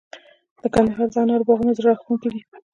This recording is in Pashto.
د کندهار د انارو باغونه زړه راښکونکي دي.